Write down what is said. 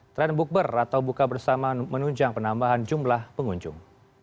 trend bukber atau buka bersama menunjang penambahan jumlah pengunjung